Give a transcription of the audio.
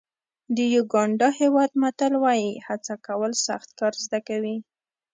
د یوګانډا هېواد متل وایي هڅه کول سخت کار زده کوي.